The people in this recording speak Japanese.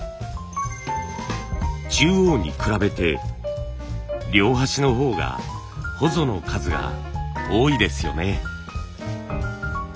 中央に比べて両端の方がほぞの数が多いですよね。